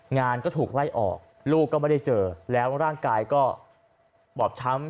งานก็ถูกไล่ออกลูกก็ไม่ได้เจอแล้วร่างกายก็บอบช้ำ